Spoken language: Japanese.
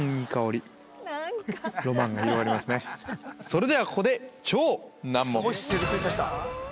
それではここで超難問